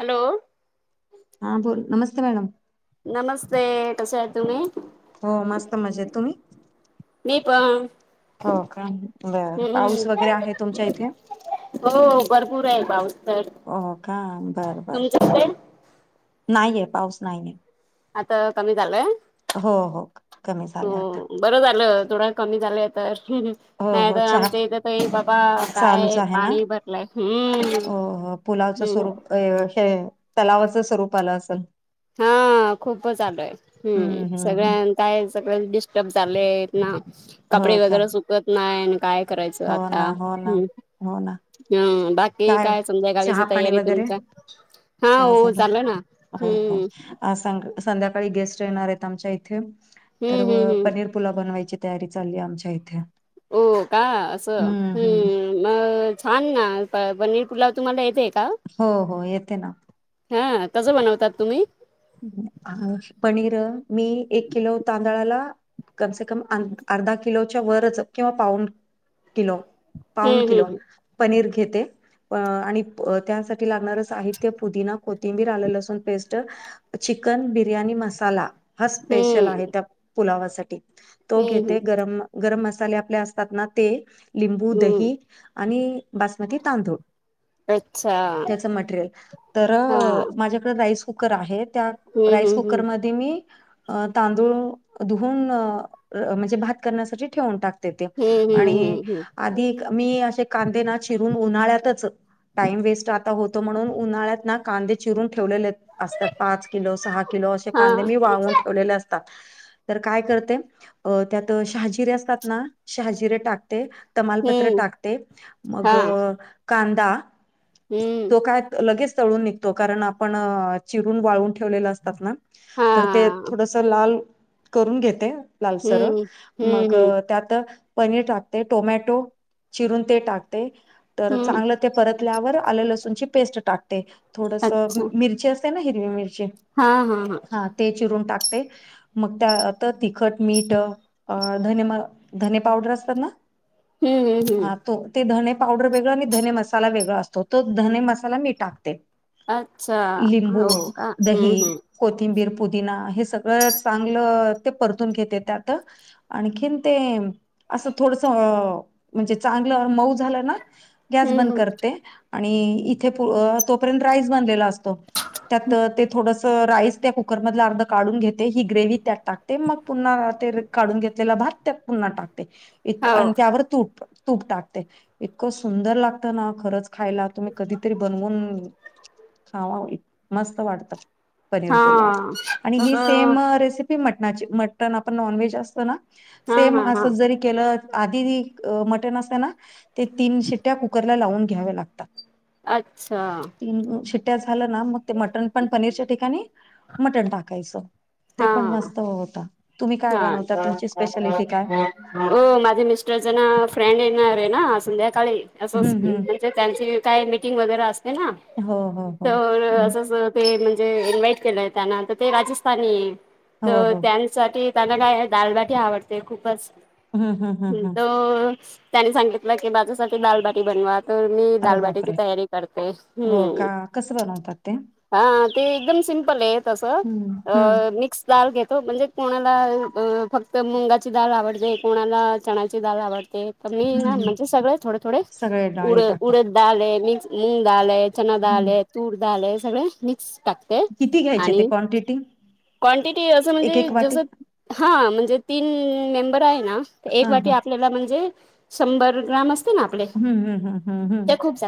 Hello. हा बोल नमस्ते मॅडम. नमस्ते! कसे आहे तुम्ही? हो मस्त मजेत तुम्ही? मी पण. हो का बर हम्म पाऊस वगैरे आहे तुमच्या इथे. हो भरपूर आहे पाऊस. तर हो का बरं बर, तुमच्याकडे? नाहीेये पाऊस नाहीये. आता कमी झालय. हो हो, कमी झालंय आता. बरं झालं थोडं कमी झालंय तर. हो नाही हो तर चहा आमच्या इथ तये बाबा चालूच काय आहे ना पाणी भरलंय हम्म. हो हो पुलावचं हम्म स्वरूप अय हे तलावाचं स्वरूप आलं असल. हा खूपच आलय हम्म सगळ्यां काय सगळे डिस्टर्ब झालेत ना, हो कपडे का वगैरे सुकत नाय न काय करायच हो आता ना हो ना हम, हो ना ह बाकी ठीक काय आहे संध्याकाळीच चहा पाणी तयारी वगैरे तुमच, हा हो चाल ना, हम्. अ संध्याकाळी गेस्ट येणार आहेत आमच्या इथे, हम्म तर हम्म व हम्म पनीर पुुलाव बनवायची तयारी चालली आमच्या इथे. हो का असं, हम्म. म छान ना प पनीर पुलाव तुम्हाला येतेय का? हो हो येते ना. हा कस बनवतात तुम्ही. [unintelligible] पनीर मी एक किलो तांदळाला कमसे कम आन अर्धा किलोच्या वरच किंवा पाऊन, किलो. पाऊन हम्म किलो, हम्म पनीर घेते. प आणि त्यासाठी लागणारं साहित्य पुदिना, कोथिंबीर, आलं लसूण पेस्ट. चिकन बिर्याणी मसाला, हा स्पेशल हम्म आहे त्या, पुलावासाठी. तो हम्म घेते हम्म गरम- गरम मसाले आपले असतात ना ते, लिंबू, हम्म दही. आणि बासमती तांदूळ. अच्छा त्याच मटेरियल तर हा अ माझ्या- त राईस कुकर आहे त्या हम्म राईस कुकर हम्म म- मी अ तांदूळ धुवून अ म्हणजे भात करण्यासाठी ठेवून टाक- तेते हम्म हम्म हम्म आणि हम्म आधी मी असे कांदे ना चिरून उन्हाळ्यातच- टाईम वेस्ट आता होतो म्हणून, उन्हाळ्यात ना कांदे चिरून ठेवलेले- असतात पाच किलो, सहा किलो असे हम्म हा कांदे मी वाळवून ठेवलेले असतात. तर काय करते, अ त्यात शहाजिरे असतात ना, शहाजिरे टाकते. तमालपत्र हम्म टाकते, हा मग कांदा- हम्म तो काय त लगेच तळून निघतो कारण आपण अ चिरून, वाळून- ठेवलेलं असतात ना हा तर ते थोडस लाल करून घेते. लालसरअ हम्म हम्म मग हम्म त्यात- पनीर टाकते टोमॅटो चिरून ते टाकते तर हम्म चांगलं- ते परतल्यावर आले लसूणची पेस्ट टाकते थोडस अच्छा मिरची असते ना हिरवी मिरची. हा हा हा. हा ते चिरून टाकते. मग त्या आता तिखट मीठ धने धने पावडर असतात ना? हम्म हम्म ह हम्म ते धने पावडर वेगळा आणि धने मसाला वेगळा असतो तो धने मसाला मी टाकते. अच्छा- लिंबू, हो का दही. हम्म हम्म कोथिंबीर, पुदिना हे सगळं चांगलं ते परतून घेते त्यात आणखीन ते- असं थोडस म्हणजे चांगलं मऊ झालं ना गॅस हम्म बंद हम्म करते आणि इथे तोपर्यंत राईस बनलेला असतो. त्यात ते थोडं- त राईस त्या कुकर मधला अर्ध काढून घेते, ही ग्रेव त्यात टाकते, मग पुन्हा ते- काढून घेतलेला भात त्यात पुन्हा टाकते. इत हो आण त्यावर तूप- तूप टाकते इतकं सुंदर लागतं ना खरंच- खायला तुम्ही कधीतरी बनवून खावाव इत-मस्त वाटत. पनीर हा पोलाव, आणि ही हा सेम रेसिपी मटणाची, मटण आपण नॉनव्हेज असतं ना. सेम हा हा अस ज के आध मटन अस ना तीन शिट्या कुक- लावून घ्यावे लागतात. अच्छा. शिट्ट्या झालं ना मग ते मटण पण पनीरच्या ठिकाणी मटण टाकायचं. ते हा पण मस्त होता. तुम्ही काय बनवता हा तुमची स्पेशलिटी काय? हो माझ मिस्टर जन फ्रेंड येणार रे ना संध्याकाळी असं हम्म हम्म म्हणजे त्यांची काही मीटिंग वगैरे असते ना हो हो हो तर हम्म, असंच- म्हणजे इनवाइट केलंय त्यांना तर ते राजस्थानी आहे. हो तर हो त्यांसाठी- त्यांला काय दालबाटी आवडते खूपच हम्म हम्म हम्म हम्म तो- त्यांनी सांगितलं की माझ्यासाठी दालबाटी बनवा. तर मी अरे दालबाटीची बापरे तयारी करते हो हम्म. का कसं बनवतात ते हा ते एकदम सिम्पल आहे तसं हम्म हम्म मिक्स दाल घेतो. म्हणजे कोणाला- मला फक्त मुंगाची डाल आवडते कोणाला चणाची डाळ आवडते. तर मी ना हम्म म्हणजे सगळे थोडे थोडे सगळे उड डाळी टाकता. उडत डाल आहे मी् मूंग डाव हे. चना डाल हम्म हे तूर डाल हे सगळे मिक्स- टाकते किती घ्यायचे ते आणि क्वांटिटी? क्वांटिटी असं एक म्हणजे एक वाटी? जस- हा म्हणजे तीन मेंबर आहे ना एक हां वाटी हां. आपल्याला म्हणजे- शंभर ग्राम असते ना आपले हं, हं, हं, हं, हं. त्या खूप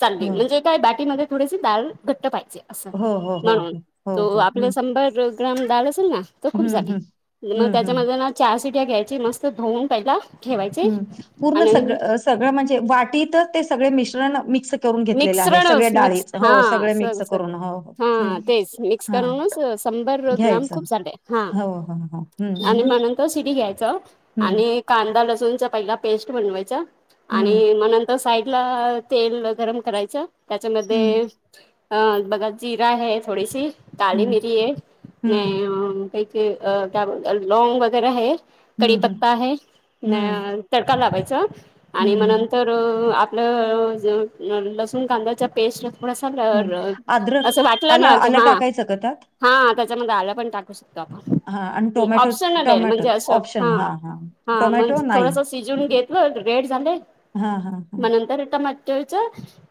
चालली हो. म्हणजे- काय बटीमध्ये थोडी दाळ घट्ट पाहिजे असं हो, हो, हो, म्हणून हो. हो, त हो. हं. साभांर- ग्रामदळ असल ना त खूप हं, झाले हं. मग हं, हं. त्याच्यामध्ये ना चार सिट्या घ्यायची मस्त धुवन पहिला ठेवायचे हम पूर्ण आणि सगळ सगळं म्हणजे वाटीत ते सगळे मिश्रण मिक्स करून घेतलेल आहे सगळे मिक्सरणच डाळी मिक्स हो हा सगळे मिक्स स करून हो हा तेच मिक्स हां करूनच शंभर ग्राम घ्यायचं. खूप झाले हा हो, हो, हो. आणि म नंतर शिटी घ्यायचं हम्म. आणि कांदा लसूणच्या पहिला पेस्ट बनवायचा आणि हं. मग नंतर साईड ला तेल गरम करायचं हं. त्याच्यामध्ये अ बघा जिरा आहे थोडीशी हं. काळी मिरी आहे हं. न एक क्या बोल अह लोंग वगैरा है कडी हं, हं. पत्ता है हं. न तडका लावायचं हं, आणि मग हं. नंतर आपलं ज लसूण कांद्याचा पेस्ट थोडासा हं. र अद्रक, असं वाटलं आलं ना की आलं हा टाकायचं का त्यात? हा त्याच्यामुळे आलं पण टाकू शकतो हा आणि टोमॅटो ऑप्शनल आहे टोमॅटो म्हणजे अस ऑप्शन हा हा टोमॅटो म्हणजे नाही थोडस शिजून घेतलं रेड झाले हा हा हा मग नंतर टमाटोच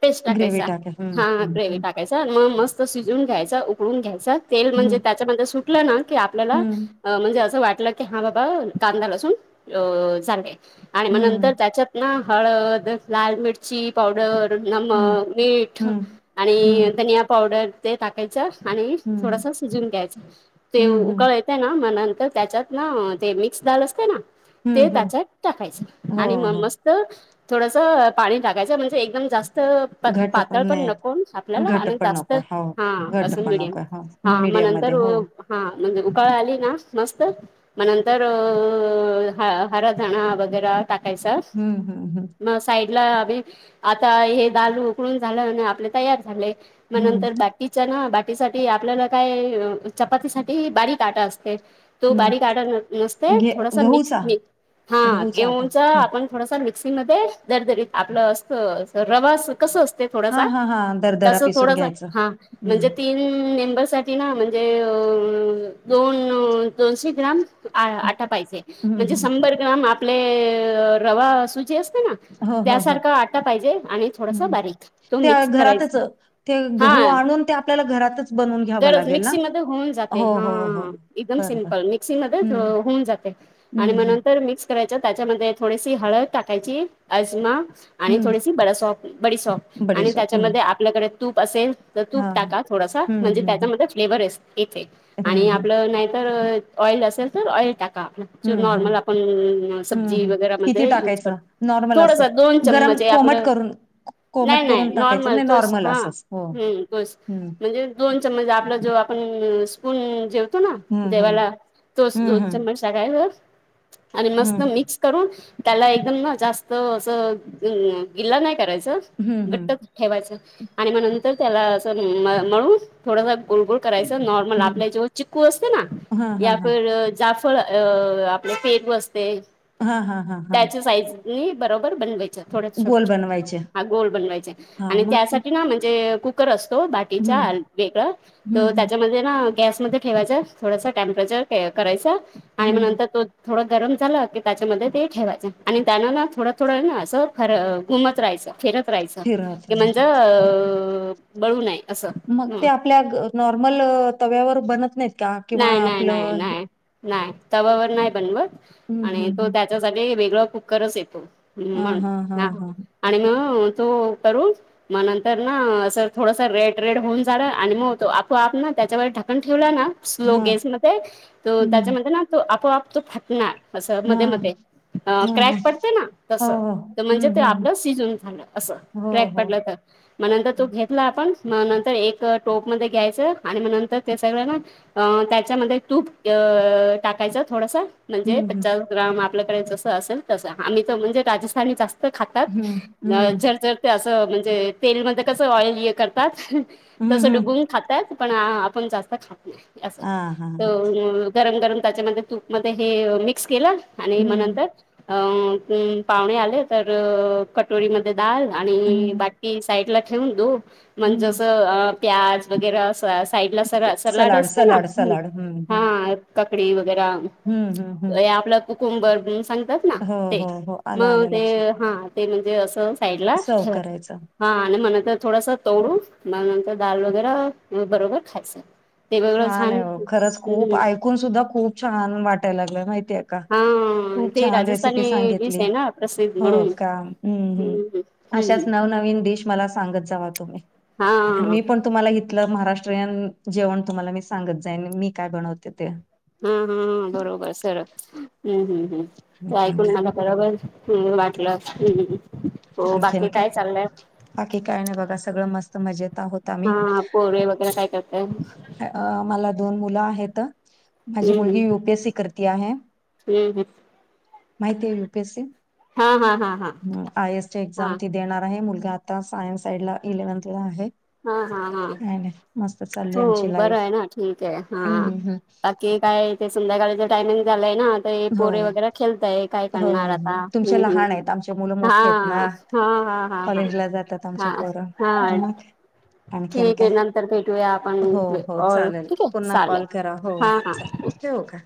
पेस्ट टाकायच ग्रेव्ही टाका हं, हा हं, ग्रेवी हं. टाकायचा मग मस्त शिजून घ्यायचा उकळून घ्यायचा तेल म्हणजे हं, त्याच्यानर सुटलं ना की आपल्याला हं, अह म्हणजे असं वाटलं की हा बाबा कांदा लसून अ झाले आणि मग हं, नंतर त्याच्यात न हळद, लाल मिर्ची पावडर, हं, नमक, मीठ हं, हं, आणि धनिया पावडर ते टाकायच आणि हं, थोडस शिजून घ्यायच ते हं, उकळाय ना म्हणंत त्याच्यात ना ते मिक्स डाल असते ना हं, ते हं. त्याच्यात टाकायचं हो, आणि मग हो. मस्त थोडस पाणी टाकायचं म्हण जे एकदम जास्त त घट्ट पातळ पण नाही नको आपल्याला घट्ट आणि पण जास्त नको हो. हा घट्ट असं पण मिडियम नको हो हा मग मीडियम नंतर मध्ये हो. हा म्हणजे उकाळ आली ना मस्त मग नंतर अ ह हरा धणा वगैरे टाकायचा हम्म हम्म हम्म. मग साईड ला अभी आता हे दाल उकडून झालं आणि आपले तयार झाले मग हं, नंतर ब किच्या ना बाटीसाठी आपल्याला काय चपातीसाठीही बारीक आटा असते तो हं. बारीक आटा नसते घे थोडासा मिक्स गहूचा म हा गहूचा आटा गेऊनचा हं. आपण थोडासा मिक्सिंग मध्ये दरदरीत आपलं असत रवास कस असत ते थोडासा हां, हां, हां. दरदरा तस पिसून थोडस घ्यायचं. हा म्हणजे हं, तीन [unintelligible] ती ना म्हणजे दोन दोनशे ग्राम आ आटा पाहिजे हं, म्हणजे हं. शंभर ग्राम आपले रवा सुजी असते ना हो हो हो. त्यासारखा आटा पाहिजे आणि थोडासा हम्म बारीक तो ते मिक्स घरातच करायचा ते गहू आणून ते आपल्याला घरातच बनवून घ्यावं दरज लागेल ना? मिक्सीमध्ये होऊन जाते हो, हो, हो. हम एकदम बरं, बरं. सिम्पल मिक्सीमध्ये होऊन जाते हम्म. तर मिक्स करायच त्याच्यामध्ये थोडीशी हळद टाकायची अजमा आणि हं. थोडीशी बड सॉफ बडी सॉफ आणि बडीशेप. हं. त्याच्यामध्ये आपल्याकडे तूप असेल तर तूप हां, हां. टाका थोडासा हं, म्हणजे हं, हं. त्याच्यामध्ये फ्लेवर येते आणि हं, हं. आपलं नाहीतर ऑइल असेल तर ऑइल टाका जो हं, हं. नॉर्मल आपण हं, सब्जी हं. वगैर किती मधे युज टाकायचं? करतो नॉर्मल थोडस असं. दोन चमच गरम ते कोमट आपलं करून नाही कोमट नाही करून टाकायचं नॉर्मल नाही तो स हा असंच. हो. तोस हं, म्हणजे दोन चमच आपल जो आपण स्पून जेव तो ना हं, हं. जेवाला तोच हं, दोन हं. चमच टाकायचं आणि मस्त हं, मिक्स करून त्याला एकदम जास्त अस अम गिल्ला नाही करायचं हं, घट्ट हं. ठेवायचं आणि मग नंतर त्याला अस मळून थोडासा गुोलगुोल करायचा नॉर्मल हं. आपल्या जेव चिक्कू असते ना हां, हां, हां. यापर जाफळ अ आपले पेट बसते हां, हां, हां, हां. त्याची साईज मी बरोबर बनवेचा थोड्या छोट गोल छोट बनवायचे. हा गोल बनवायचे हां, आणि मग ते त्यासाठी ना म्हणजे कुकर असतो बाट वेग हं, त्याच्याऐन वेगळ हं, त हं. त्याचामध्ये तेना गॅसमध्ये ठेवायच थोडसा टेम्परेचर करायच आणि हं. नंतर तो थोडं गरम झालं की त्याच्यामध्ये ते ठेवायचं आणि त्याना ना थोडं थोडं ना असं खर घुमत राहायचं फिरत राहायचं चिरत क म्हणज राहायचे. अ बळू नाहीय असं मग हु ते आपल्या नॉर्मल तव्यावर बनत नाहीत का किंवा नाय नाय नाय आपलं हे- नाय नाही तवावर नाही बनवत हम्म आणि तो हम्म त्याच्यासाठी वेगळा कुकरच येतो. मग ह् हा आणि मग तू करून मग नंतर ना सर थोडस रेड रेड होऊन झाला आणि मग तो आपोआप ना त्याच्यावर ढकन ठेवला ना. स्लो हा गॅसमध्येध्ये त हम्म त्याच्यामध्ये ना तो आपोआप तो फटणार असं हा मध्ये मध्ये अ हा हा क्रॅक पडते ना हो तस हो तर म्हणजे हम्म हम्म हम्म. हो हो मग नंतर तो घेतला आपण मग नंतर एक टोप मध्ये घ्यायचं आणि मग नंतर ते सगळं ना. अ त्याच्यामध्ये तूप अ टाकायचं थोडस म्हणजे हम्म हम्म त्याचावर राम आपल्याकडे जस असेल तस आम्ही तर म्हणजे राजस्थानी जास्त खातात हम्म हम्म जर जर असं म्हणजे तेलमध्येध्ये कस ऑइल हे करतात हम्म तसं हम्म. डुबून खातात. ह आपण जास्त खात नाही असं. हा हा तर हा म गरम गरम त्याच्यामध्ये तूपमध्येध्ये हे मिक्स केलं आणि मग हम्म नंतर अ पाहुणे आले तर कटोरी मध्ये दाल आणि हम्म बा साईडला ठेवून दे म्हग हम्म जस प्याज वगैरे साईडला स क- सलाड असते ना सलाड सलाड हम्म हा. हम्म हा ककडी वगैर हम्म हम्म हम्म आपलं कुकुमबर सांगतात हा हो ते हो हो आलं मग आलं ते लक्षात हा ते म्हणजे असं साईड ला सर्व ठेवायच करायचं हा आणि मण तर थोडस तोडू म नंतर दाल वगैरे बरोबर खायचं ते वेगळं हाना छान खरंच खूप हम्म ऐकून सुद्धा खूप छान वाटायला लागलं माहितीय का हा खूप ते छान रेसिपी राजस्थानी डिश सांगितली आहे ना प्रसिद्ध हो म्हणून का हम् हम् हम्म हम्म अशाच नवनवीन डिश मला सांगत जावा तुम्ही आणि हा. मी पण तुम्हाला इथलं महाराष्ट्रीयन जेवण तुम्हाला मी सांगत जाई मी काय बनवते ते. हा हा बरोबर सरव हम्म हम् हम आणखीन ऐकून काय? मला बरोबर ह् वाटलं. हो आणखी बाकी काय चाललंय हकी काय नाही बघा सगळं मस्त मजेत आहोत आम्ही हा पोरे वगैरे काय करताय अ मला दोन मुलं आहेत. माझी हम्म मुलगी हम्म युपीएस सी करती आहे हम्म हम्म माहिती आहे युपीएस सी हा हा हा. आय ए एस ची हा एक्झाम ती देणार आहे मुलगा आता सायन्स साइड ला इलेव्हनथला आहे. हा हा हा आधीच ह मस्त चालु हो बरं आहे ना ठीक आहे हा हं. बाकी कायते संध्याकाळीच टायमिंग झालंय ना. ते हो. पोरे वगैरे खेळतय काय हो, करणार हो. आता तुमचे हम्म लहान हम्म आहेत, आमचे मुलं मोठे आहेत हा. ना. हा हा हा कॉलेजला जातात हा हा आमचे पोरं. हा मग आणखीन ठीक काय? आहे नंतर भेटू. हो, हो. आप चालेल. ठीके चाले हा ह. यु का?